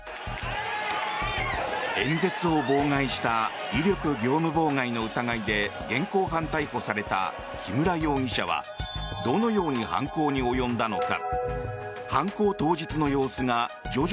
演説を妨害した威力業務妨害の疑いで現行犯逮捕された木村容疑者はどのように犯行に及んだのか。